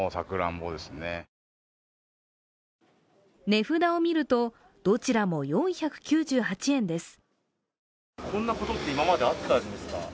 値札を見るとどちらも４９８円です。